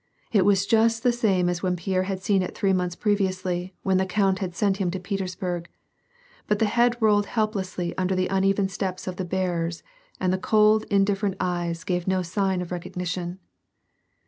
It was just the same as when Pierre had seen it three months previously when the count sent him to Petersburg. But the head rolled helplessly under the uneven steps of the bearers and the cold, indifferent eyes gave no sign of recognition.